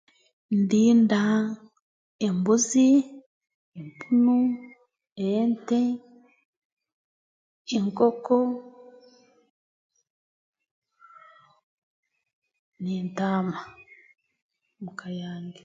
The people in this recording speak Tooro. Ndinda embuzi empunu ente enkoko n'entaama muka yange